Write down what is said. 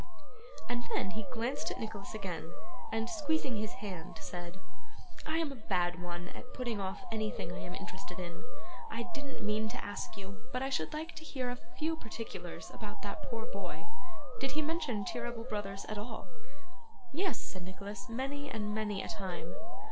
And then he glanced at Nicholas again, and, squeezing his hand, said, 'I am a bad one at putting off anything I am interested in. I didn't mean to ask you, but I should like to hear a few particulars about that poor boy. Did he mention Cheeryble Brothers at all?' 'Yes,' said Nicholas, 'many and many a time.